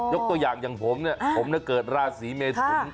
ตัวอย่างอย่างผมเนี่ยผมเกิดราศีเมทุน